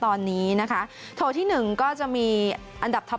โถที่๑ก็จะมีอันดับท็อปของเอเชียทั้งหมด